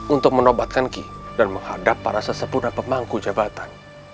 untuk menobatkan ki dan menghadap para sesepuluh pemangku jabatan